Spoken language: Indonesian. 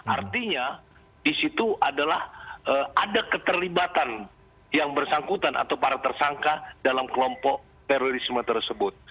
artinya di situ adalah ada keterlibatan yang bersangkutan atau para tersangka dalam kelompok terorisme tersebut